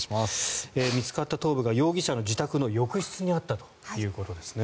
見つかった頭部が容疑者の自宅の浴室にあったということですね。